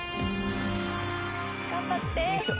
「頑張って」